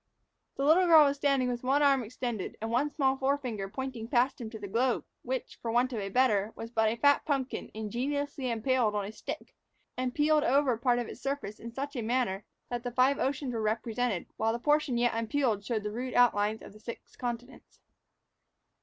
The little girl was standing with one arm extended and one small forefinger pointing past him at the globe, which, for want of a better, was but a fat pumpkin ingeniously impaled on a stick, and peeled over part of its surface in such a manner that the five oceans were represented, while the portion yet unpeeled showed the rude outlines of the six continents.